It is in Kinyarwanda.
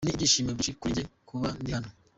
Ni ibyishimo byinshi kuri jye kuba ndi hano.